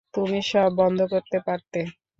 তুমি সব বন্ধ করতে পারতে।